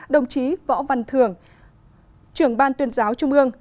đồng chí võ văn thường trưởng ban tuyên giáo trung ương